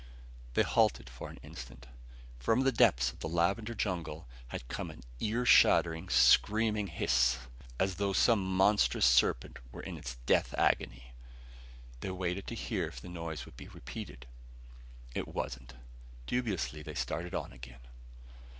They halted for an instant. From the depths of the lavender jungle had come an ear shattering, screaming hiss, as though some monstrous serpent were in its death agony. They waited to hear if the noise would be repeated. It wasn't. Dubiously they started on again.